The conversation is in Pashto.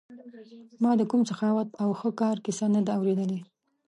ما د کوم سخاوت او ښه کار کیسه نه ده اورېدلې.